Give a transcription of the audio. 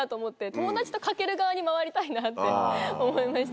友達とかける側に回りたいなって思いました。